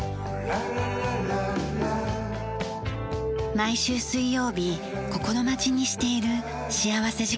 毎週水曜日心待ちにしている幸福時間があります。